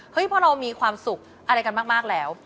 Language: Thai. พอเรามีความสุขอะไรกันมากแล้ว